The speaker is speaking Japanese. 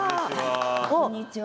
こんにちは。